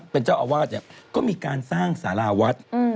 เป็นเจ้าอาวาสก็มีการสร้างสาลาวศ